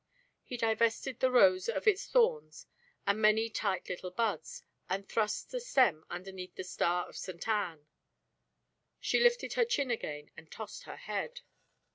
He divested the rose of its thorns and many tight little buds, and thrust the stem underneath the star of St. Ann. She lifted her chin again and tossed her head.